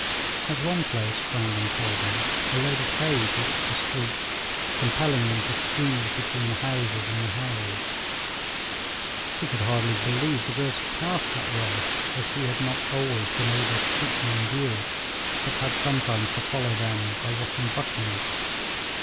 At one place, Brandon told me, a load of hay blocked the streets, compelling them to squeeze between the houses and the hay. He could hardly believe the girls had passed that way, as he had not always been able to keep them in view, but had sometimes to follow them by watching Buckingham.